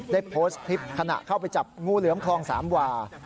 ได้โพสต์คลิปขณะเข้าไปจับงูเหลือมคลองสามวา